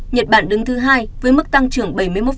nhật bản đứng thứ hai với mức tăng trưởng